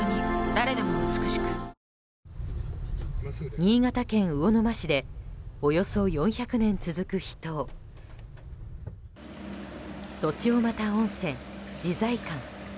新潟県魚沼市でおよそ４００年続く秘湯栃尾又温泉自在館。